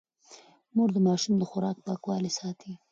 مور د ماشوم د خوراک پاکوالی ساتي.